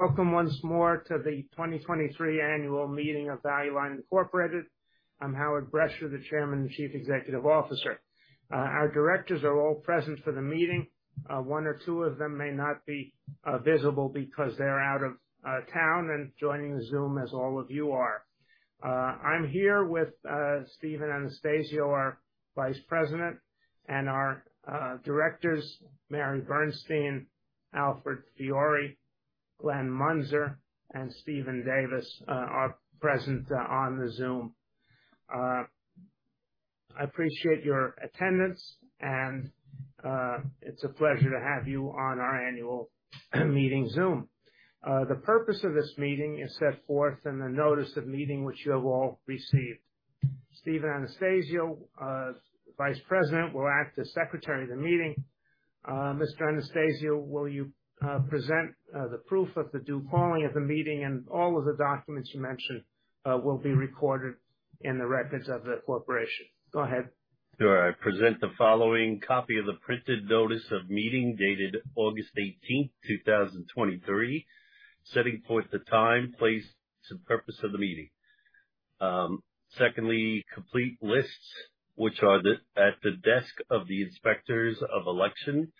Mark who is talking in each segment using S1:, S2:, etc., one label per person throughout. S1: Welcome once more to the 2023 Annual Meeting of Value Line, Inc. I'm Howard Brecher, the Chairman and Chief Executive Officer. Our directors are all present for the meeting. One or two of them may not be visible because they're out of town and joining the Zoom as all of you are. I'm here with Stephen Anastasio, our Vice President, and our directors, Mary Bernstein, Alfred Fiori, Glenn Munzer, and Steven Davis, are present on the Zoom. I appreciate your attendance, and it's a pleasure to have you on our annual meeting Zoom. The purpose of this meeting is set forth in the notice of meeting, which you have all received. Stephen Anastasio, Vice President, will act as secretary of the meeting. Mr. Anastasio, will you present the proof of the due calling of the meeting and all of the documents you mentioned will be recorded in the records of the corporation? Go ahead.
S2: Sure. I present the following copy of the printed notice of meeting, dated August 18, 2023, setting forth the time, place, and purpose of the meeting. Secondly, complete lists, which are at the desk of the Inspectors of Election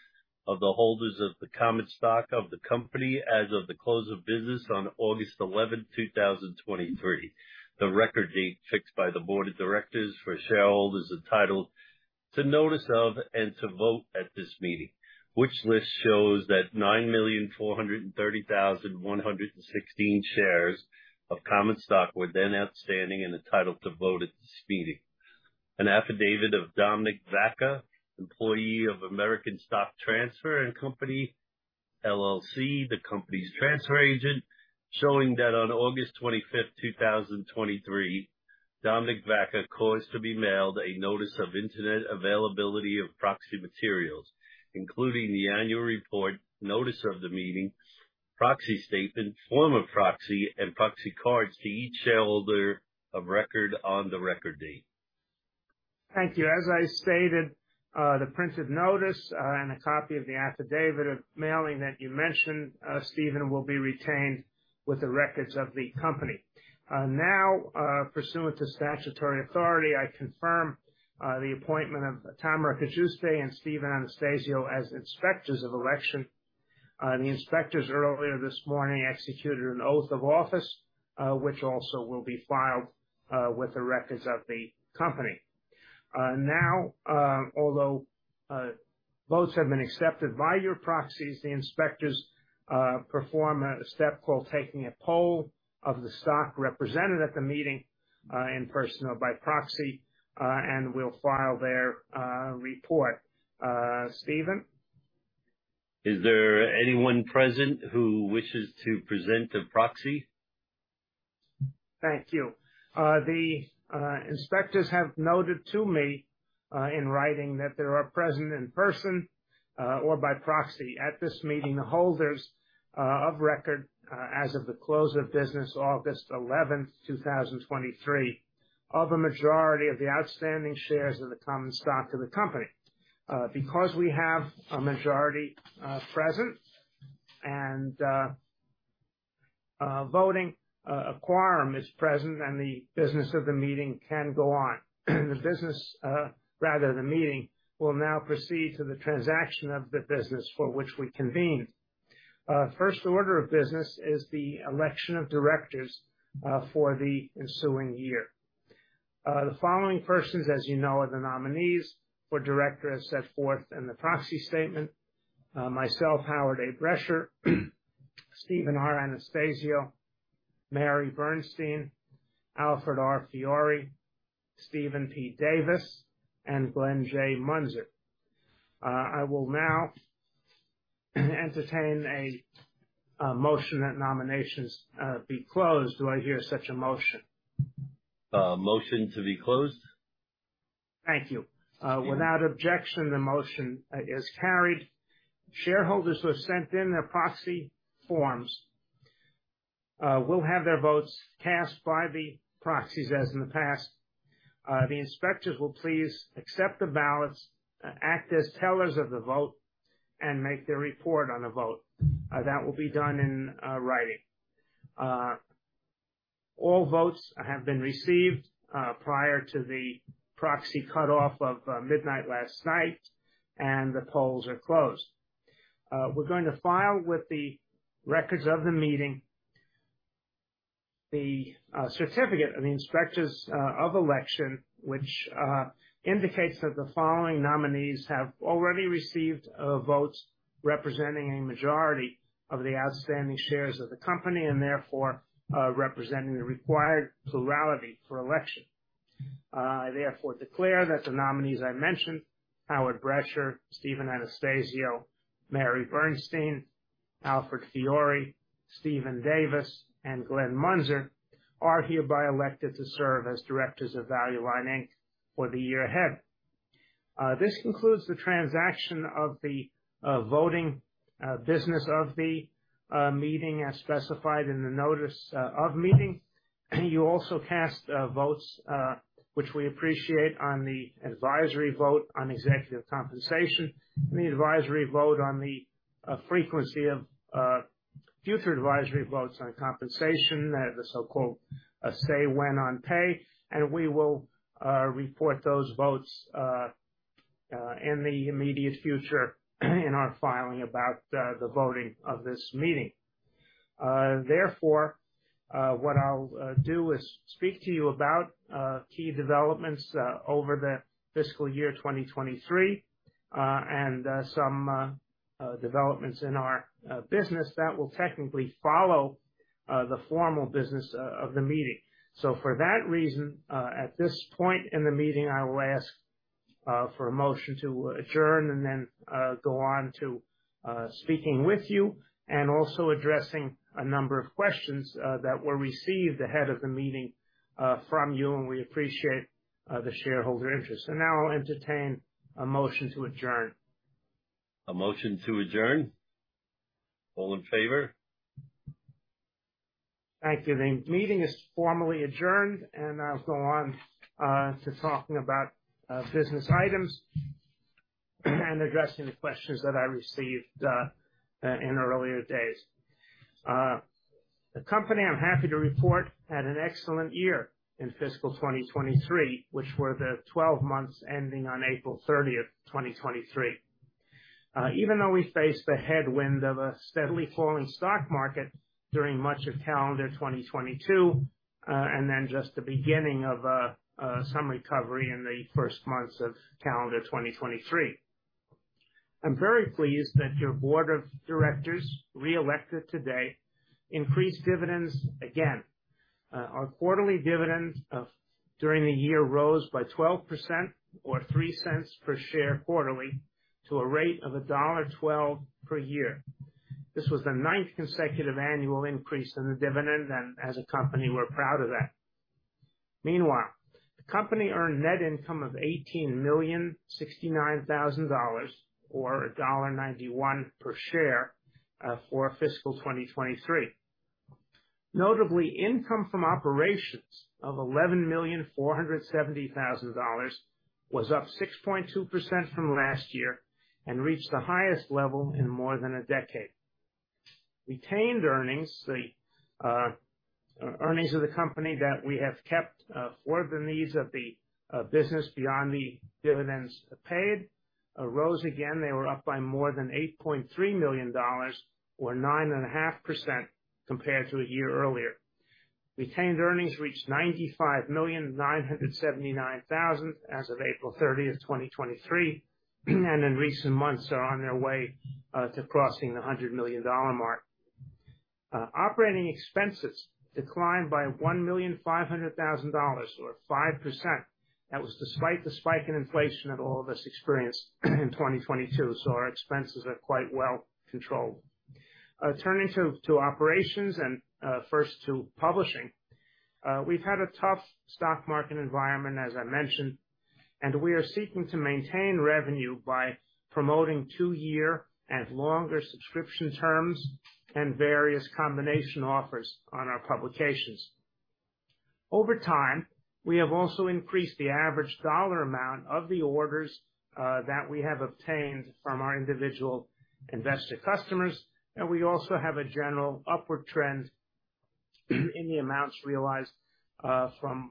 S2: of the holders of the common stock of the company as of the close of business on August 11, 2023. The record date fixed by the board of directors for shareholders entitled to notice of and to vote at this meeting, which list shows that 9,430,116 shares of common stock were then outstanding and entitled to vote at this meeting. An affidavit of Domenick Vacca, employee of American Stock Transfer & Trust Company, LLC, the company's transfer agent, showing that on August twenty-fifth, two thousand twenty-three, Domenic Vacca caused to be mailed a notice of internet availability of proxy materials, including the annual report, notice of the meeting, proxy statement, form of proxy, and proxy cards to each shareholder of record on the record date.
S1: Thank you. As I stated, the printed notice and a copy of the affidavit of mailing that you mentioned, Steven, will be retained with the records of the company. Now, pursuant to statutory authority, I confirm the appointment of Tamara Cajuste and Stephen R. Anastasio as Inspectors of Election. The inspectors earlier this morning executed an oath of office, which also will be filed with the records of the company. Now, although votes have been accepted by your proxies, the inspectors perform a step called taking a poll of the stock represented at the meeting, in person or by proxy, and will file their report. Stephen?
S2: Is there anyone present who wishes to present a proxy?
S1: Thank you. The inspectors have noted to me in writing that there are present in person or by proxy at this meeting, holders of record as of the close of business August 11, 2023, of a majority of the outstanding shares of the common stock of the company. Because we have a majority present and voting, a quorum is present, and the business of the meeting can go on. The business, rather, the meeting will now proceed to the transaction of the business for which we convened. First order of business is the election of directors for the ensuing year. The following persons, as you know, are the nominees for director, as set forth in the proxy statement. Myself, Howard A. Brecher, Stephen R. Anastasio, Mary Bernstein, Alfred R. Fiori, Steven P. Davis, and Glenn J. Munzer. I will now entertain a motion that nominations be closed. Do I hear such a motion?
S2: Motion to be closed.
S1: Thank you. Without objection, the motion is carried. Shareholders who have sent in their proxy forms will have their votes cast by the proxies, as in the past. The inspectors will please accept the ballots, act as tellers of the vote, and make their report on the vote. That will be done in writing. All votes have been received prior to the proxy cutoff of midnight last night, and the polls are closed. We're going to file with the records of the meeting the certificate of the Inspectors of Election, which indicates that the following nominees have already received votes representing a majority of the outstanding shares of the company and therefore representing the required plurality for election. I therefore declare that the nominees I mentioned, Howard Brecher, Stephen Anastasio, Mary Bernstein, Alfred Fiori, Steven Davis, and Glenn Munzer, are hereby elected to serve as directors of Value Line Inc. for the year ahead. This concludes the transaction of the voting business of the meeting, as specified in the notice of meeting. You also cast votes, which we appreciate on the advisory vote on executive compensation and the advisory vote on the frequency of future advisory votes on compensation at the so-called say-on-pay. We will report those votes in the immediate future in our filing about the voting of this meeting. Therefore, what I'll do is speak to you about key developments over the fiscal year 2023, and some developments in our business that will technically follow the formal business of the meeting. So for that reason, at this point in the meeting, I will ask for a motion to adjourn and then go on to speaking with you and also addressing a number of questions that were received ahead of the meeting from you, and we appreciate the shareholder interest. So now I'll entertain a motion to adjourn.
S2: A motion to adjourn. All in favor?
S1: Thank you. The meeting is formally adjourned, and I'll go on to talking about business items and addressing the questions that I received in earlier days. The company, I'm happy to report, had an excellent year in fiscal 2023, which were the 12 months ending on April 30, 2023. Even though we faced the headwind of a steadily falling stock market during much of calendar 2022, and then just the beginning of a some recovery in the first months of calendar 2023. I'm very pleased that your board of directors reelected today, increased dividends again. Our quarterly dividends during the year rose by 12% or $0.03 per share quarterly to a rate of $1.12 per year. This was the ninth consecutive annual increase in the dividend, and as a company, we're proud of that. Meanwhile, the company earned net income of $18,069,000 or $1.91 per share for fiscal 2023. Notably, income from operations of $11,470,000 was up 6.2% from last year and reached the highest level in more than a decade. Retained earnings, the earnings of the company that we have kept for the needs of the business beyond the dividends paid, rose again. They were up by more than $8.3 million or 9.5% compared to a year earlier. Retained earnings reached $95,979,000 as of April 30, 2023, and in recent months are on their way to crossing the $100 million mark. Operating expenses declined by $1,500,000, or 5%. That was despite the spike in inflation that all of us experienced in 2022, so our expenses are quite well controlled. Turning to operations and first to publishing. We've had a tough stock market environment, as I mentioned, and we are seeking to maintain revenue by promoting two-year and longer subscription terms and various combination offers on our publications. Over time, we have also increased the average dollar amount of the orders that we have obtained from our individual investor customers, and we also have a general upward trend in the amounts realized from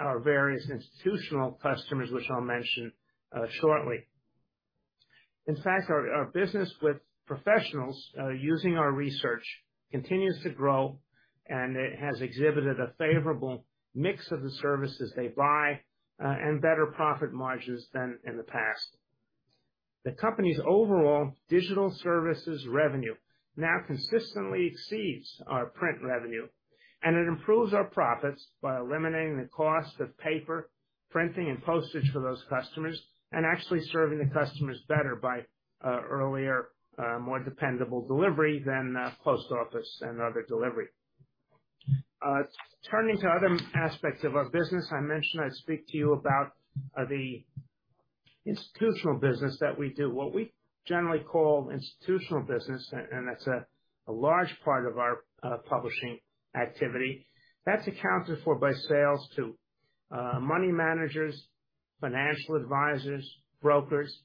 S1: our various institutional customers, which I'll mention shortly. In fact, our business with professionals using our research continues to grow, and it has exhibited a favorable mix of the services they buy and better profit margins than in the past. The company's overall digital services revenue now consistently exceeds our print revenue, and it improves our profits by eliminating the cost of paper, printing and postage for those customers, and actually serving the customers better by earlier, more dependable delivery than post office and other delivery. Turning to other aspects of our business, I mentioned I'd speak to you about the institutional business that we do, what we generally call institutional business, and that's a large part of our publishing activity. That's accounted for by sales to money managers, financial advisors, brokers,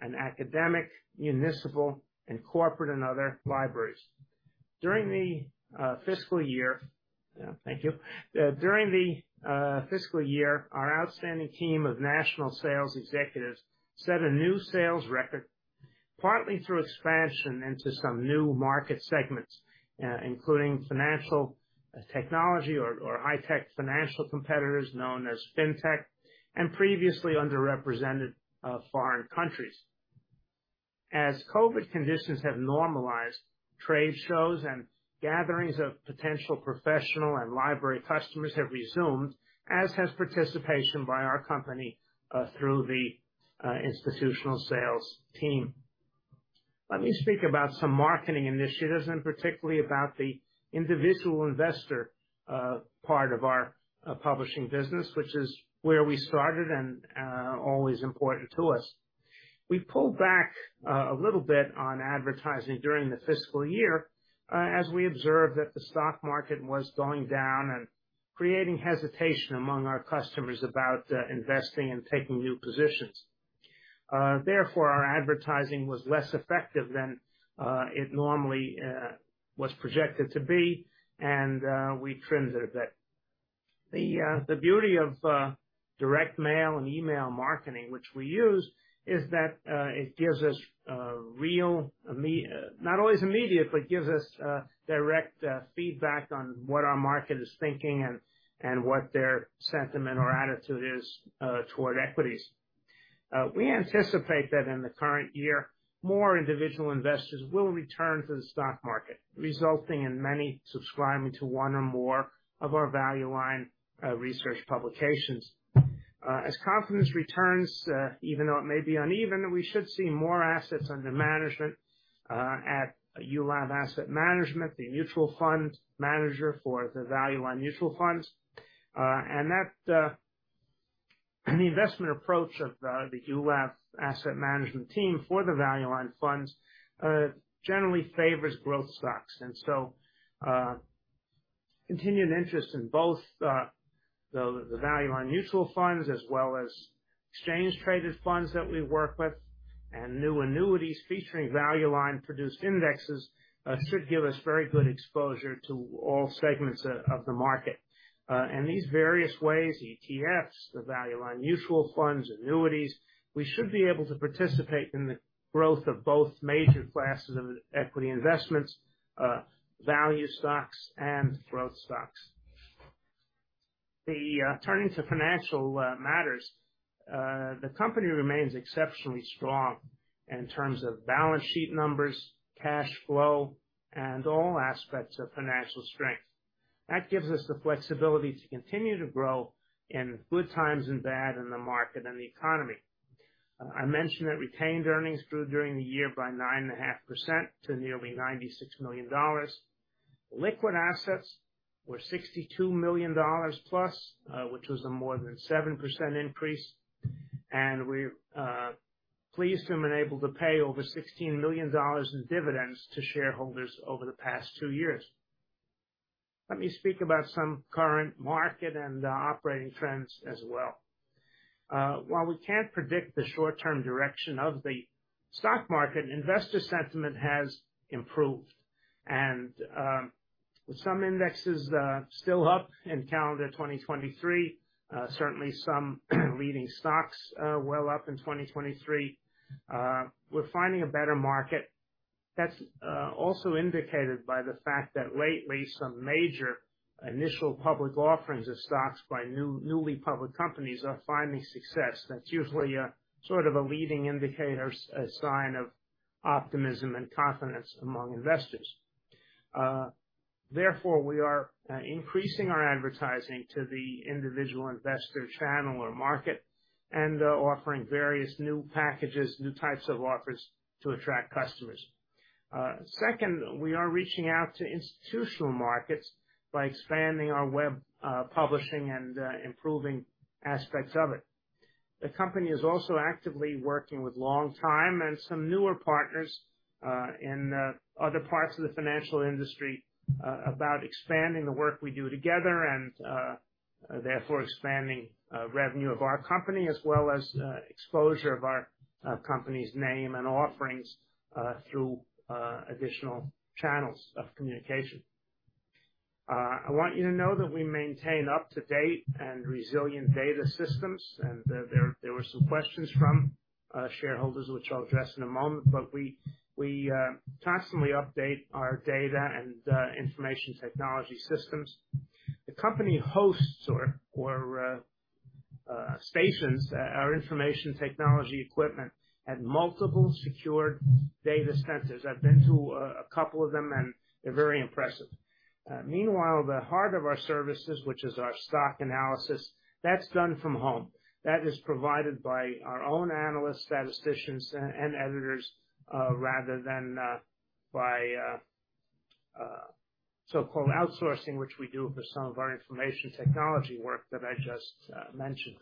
S1: and academic, municipal, and corporate and other libraries. During the fiscal year. Thank you. During the fiscal year, our outstanding team of national sales executives set a new sales record, partly through expansion into some new market segments, including financial technology or high-tech financial competitors known as fintech, and previously underrepresented foreign countries. As COVID conditions have normalized, trade shows and gatherings of potential professional and library customers have resumed, as has participation by our company through the institutional sales team. Let me speak about some marketing initiatives and particularly about the individual investor part of our publishing business, which is where we started and always important to us. We pulled back a little bit on advertising during the fiscal year, as we observed that the stock market was going down and creating hesitation among our customers about investing and taking new positions. Therefore, our advertising was less effective than it normally was projected to be, and we trimmed it a bit. The beauty of direct mail and email marketing, which we use, is that it gives us real, not always immediate, but gives us direct feedback on what our market is thinking and what their sentiment or attitude is toward equities. We anticipate that in the current year, more individual investors will return to the stock market, resulting in many subscribing to one or more of our Value Line research publications. As confidence returns, even though it may be uneven, we should see more assets under management at EULAV Asset Management, the mutual fund manager for the Value Line Funds. And that the investment approach of the EULAV Asset Management team for the Value Line Funds generally favors growth stocks. Continuing interest in both the Value Line Mutual Funds, as well as exchange-traded funds that we work with, and new annuities featuring Value Line-produced indexes, should give us very good exposure to all segments of the market. In these various ways, ETFs, the Value Line Mutual Funds, annuities, we should be able to participate in the growth of both major classes of equity investments, value stocks and growth stocks. Turning to financial matters, the company remains exceptionally strong in terms of balance sheet numbers, cash flow, and all aspects of financial strength. That gives us the flexibility to continue to grow in good times and bad in the market and the economy. I mentioned that retained earnings grew during the year by 9.5% to nearly $96 million. Liquid assets were $62 million+, which was a more than 7% increase. We're pleased to have been able to pay over $16 million in dividends to shareholders over the past two years. Let me speak about some current market and operating trends as well. While we can't predict the short-term direction of the stock market, investor sentiment has improved. With some indexes still up in calendar 2023, certainly some leading stocks well up in 2023, we're finding a better market. That's also indicated by the fact that lately, some major initial public offerings of stocks by newly public companies are finding success. That's usually a sort of a leading indicator, a sign of optimism and confidence among investors. Therefore, we are increasing our advertising to the individual investor channel or market, and offering various new packages, new types of offers to attract customers. Second, we are reaching out to institutional markets by expanding our web publishing and improving aspects of it. The company is also actively working with long time and some newer partners in other parts of the financial industry about expanding the work we do together and therefore expanding revenue of our company, as well as exposure of our company's name and offerings through additional channels of communication. I want you to know that we maintain up-to-date and resilient data systems, and there were some questions from shareholders, which I'll address in a moment. But we constantly update our data and information technology systems. The company hosts or stations our information technology equipment at multiple secured data centers. I've been to a couple of them, and they're very impressive. Meanwhile, the heart of our services, which is our stock analysis, that's done from home. That is provided by our own analysts, statisticians, and editors, rather than by so-called outsourcing, which we do for some of our information technology work that I just mentioned.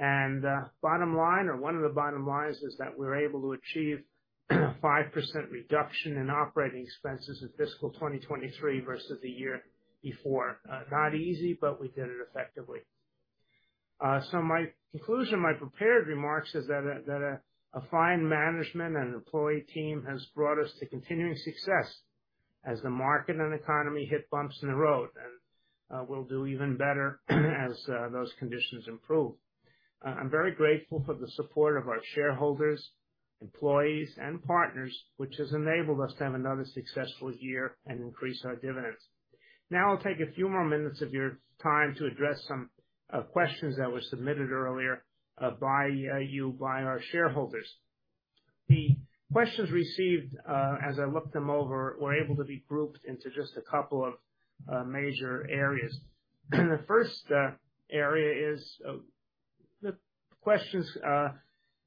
S1: Bottom line, or one of the bottom lines, is that we're able to achieve a 5% reduction in operating expenses in fiscal 2023 versus the year before. Not easy, but we did it effectively. So my conclusion, my prepared remarks, is that a fine management and employee team has brought us to continuing success as the market and economy hit bumps in the road, and we'll do even better as those conditions improve. I'm very grateful for the support of our shareholders, employees, and partners, which has enabled us to have another successful year and increase our dividends. Now, I'll take a few more minutes of your time to address some questions that were submitted earlier by our shareholders. The questions received, as I looked them over, were able to be grouped into just a couple of major areas. The first area is. The questions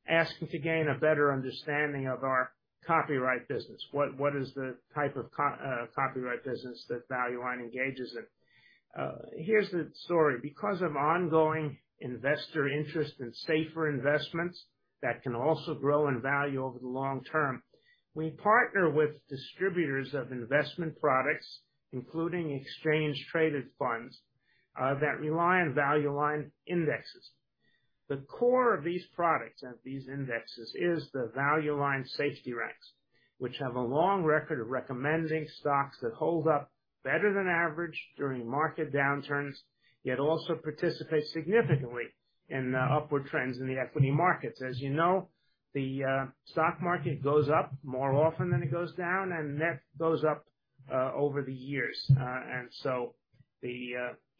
S1: asking to gain a better understanding of our copyright business. What is the type of copyright business that Value Line engages in? Here's the story. Because of ongoing investor interest in safer investments that can also grow in value over the long term, we partner with distributors of investment products, including exchange-traded funds, that rely on Value Line indexes. The core of these products and these indexes is the Value Line Safety ranks, which have a long record of recommending stocks that hold up better than average during market downturns, yet also participate significantly in the upward trends in the equity markets. As you know, the stock market goes up more often than it goes down, and net goes up over the years. And so the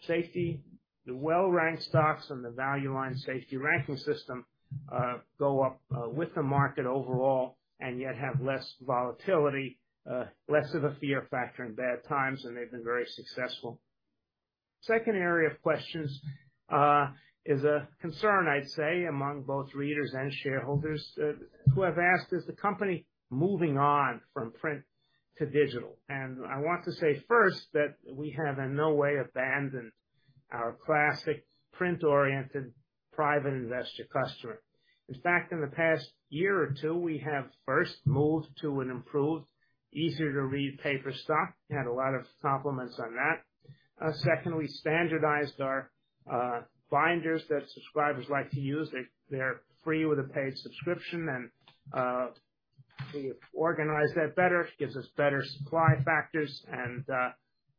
S1: safety, the well-ranked stocks and the Value Line Safety ranking system go up with the market overall and yet have less volatility, less of a fear factor in bad times, and they've been very successful. Second area of questions is a concern, I'd say, among both readers and shareholders who have asked, "Is the company moving on from print to digital?" And I want to say first, that we have in no way abandoned our classic print-oriented private investor customer. In fact, in the past year or two, we have first moved to an improved, easier-to-read paper stock. Had a lot of compliments on that. Secondly, standardized our binders that subscribers like to use. They, they're free with a paid subscription, and we organized that better, gives us better supply factors, and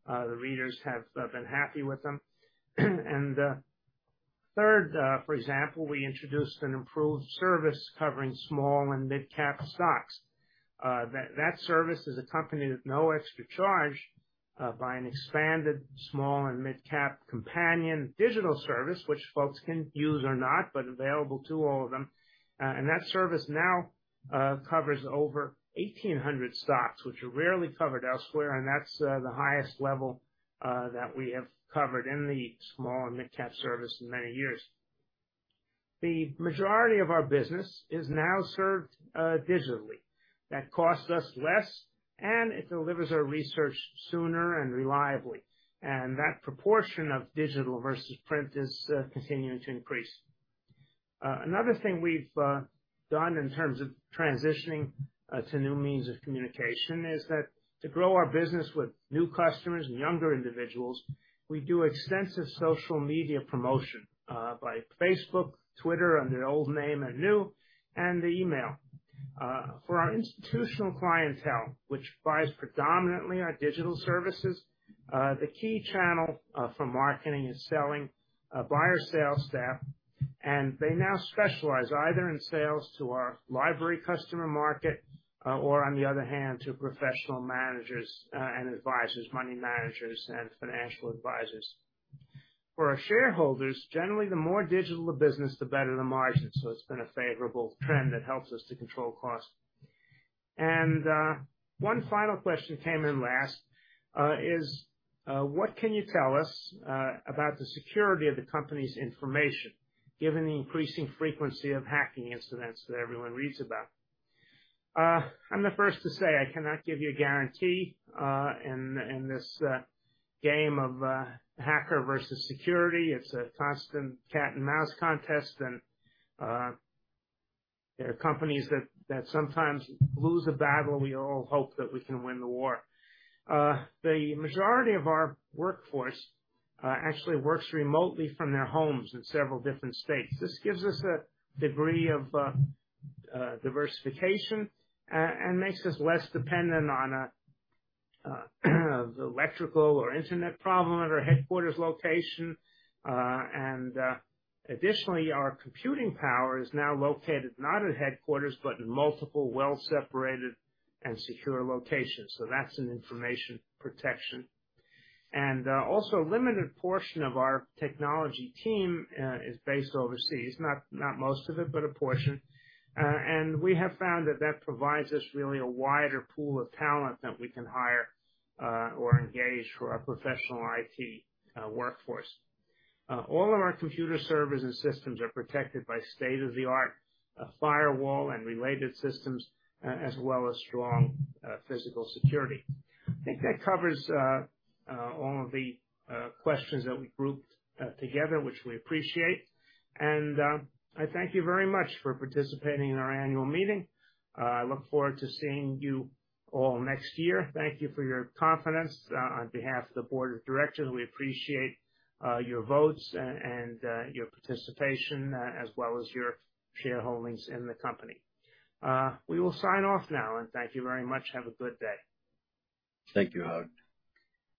S1: the readers have been happy with them. Third, for example, we introduced an improved service covering small- and mid-cap stocks. That service is accompanied with no extra charge by an expanded small- and mid-cap companion digital service, which folks can use or not, but available to all of them. That service now covers over 1,800 stocks, which are rarely covered elsewhere, and that's the highest level that we have covered in the small- and mid-cap service in many years. The majority of our business is now served digitally. That costs us less, and it delivers our research sooner and reliably. That proportion of digital versus print is continuing to increase. Another thing we've done in terms of transitioning to new means of communication is that to grow our business with new customers and younger individuals, we do extensive social media promotion by Facebook, Twitter, under their old name and new, and email. For our institutional clientele, which buys predominantly our digital services, the key channel for marketing and selling, buyer sales staff, and they now specialize either in sales to our library customer market, or on the other hand, to professional managers, and advisors, money managers and financial advisors. For our shareholders, generally, the more digital the business, the better the margin, so it's been a favorable trend that helps us to control costs. And one final question came in last is: "What can you tell us about the security of the company's information, given the increasing frequency of hacking incidents that everyone reads about?" I'm the first to say I cannot give you a guarantee in this game of hacker versus security. It's a constant cat and mouse contest, and there are companies that sometimes lose a battle. We all hope that we can win the war. The majority of our workforce actually works remotely from their homes in several different states. This gives us a degree of diversification and makes us less dependent on a electrical or internet problem at our headquarters location. And additionally, our computing power is now located not at headquarters, but in multiple, well-separated and secure locations. So that's an information protection. And also a limited portion of our technology team is based overseas. Not most of it, but a portion. And we have found that that provides us really a wider pool of talent that we can hire or engage for our professional IT workforce. All of our computer servers and systems are protected by state-of-the-art firewall and related systems as well as strong physical security. I think that covers all of the questions that we grouped together, which we appreciate. And I thank you very much for participating in our annual meeting. I look forward to seeing you all next year. Thank you for your confidence. On behalf of the board of directors, we appreciate your votes and your participation, as well as your shareholdings in the company. We will sign off now, and thank you very much. Have a good day.
S2: Thank you, Howard.